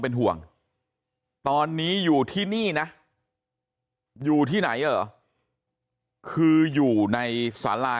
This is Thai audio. เป็นห่วงตอนนี้อยู่ที่นี่นะอยู่ที่ไหนเหรอคืออยู่ในสารา